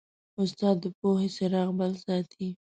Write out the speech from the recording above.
استاد د پوهې څراغ بل ساتي.